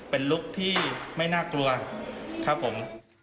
เป็นลุคที่ไม่น่ากลัวครับผม